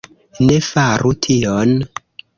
Ne faru tion!